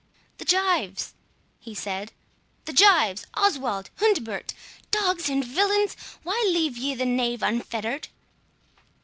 "The gyves!" he said, "the gyves!—Oswald—Hundibert!—Dogs and villains!—why leave ye the knave unfettered?"